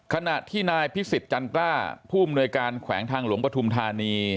ขณะที่นายพิสิทธิจันกล้าผู้อำนวยการแขวงทางหลวงปฐุมธานี